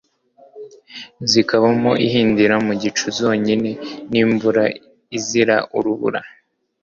Zikabamo ihindira mu gicuZombi n' imvura izira urubura